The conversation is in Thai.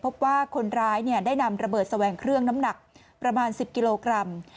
พบว่าคนร้ายได้นำระเบิดแสวงเครื่องน้ำหนักประมาณ๑๐กิโลกรัม